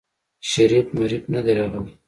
شريف مريف ندی راغلی.